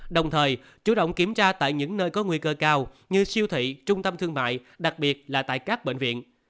đồng thời chủ động kiểm tra tại những nơi có nguy cơ cao như siêu thị trung tâm thương mại đặc biệt là tại các bệnh viện